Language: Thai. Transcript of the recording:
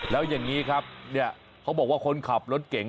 แล้วอย่างนี้ครับเนี่ยเขาบอกว่าคนขับรถเก่ง